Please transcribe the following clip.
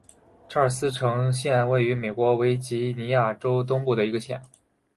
查尔斯城县位美国维吉尼亚州东部的一个县。